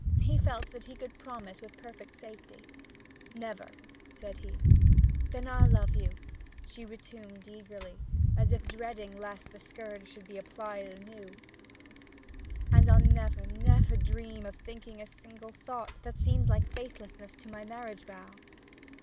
He felt that he could promise with perfect safety. 'Never,' said he. 'And then I'll love you,' she returned eagerly, as if dreading lest the scourge should be applied anew. 'And I'll never, never dream of thinking a single thought that seems like faithlessness to my marriage vow.'